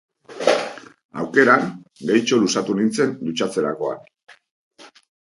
Aukeran, gehitxo luzatu nintzen dutxatzerakoan...